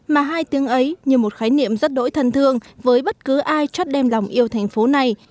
mà hai tiếng ấy như một khái niệm rất đổi thân thương với bất cứ ai chót đem lòng yêu thành phố này